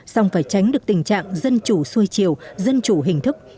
xong phải tránh được tình trạng dân chủ xuôi chiều dân chủ hình thức